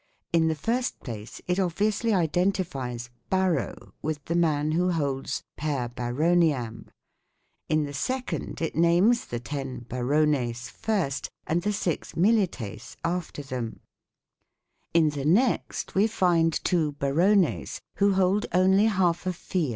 In the first place, it obviously identifies "baro " with the man who holds "per baroniam" ; in the second, it names the ten " barones " first and the six " milites " after them ; in the next we find two " barones " who hold only half a 1 See " Testa de Nevill".